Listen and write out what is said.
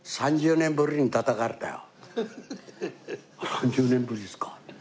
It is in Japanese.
「３０年ぶりですか？